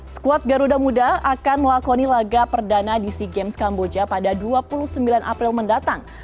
skuad garuda muda akan melakoni laga perdana di sea games kamboja pada dua puluh sembilan april mendatang